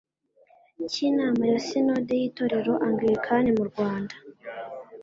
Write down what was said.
cy inama ya Sinode y Itorero Angilikani mu Rwanda